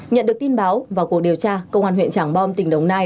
nhận được tin báo vào cuộc điều tra công an huyện trảng bom tỉnh đồng nai